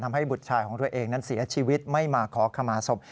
บุตรชายของตัวเองนั้นเสียชีวิตไม่มาขอขมาศพ